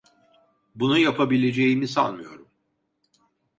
Bunu yapabileceğimi sanmıyorum.